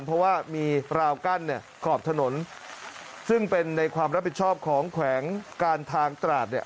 เพราะว่ามีราวกั้นเนี่ยขอบถนนซึ่งเป็นในความรับผิดชอบของแขวงการทางตราดเนี่ย